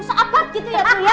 seabat gitu ya tuh ya